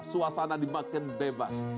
suasana dimakin bebas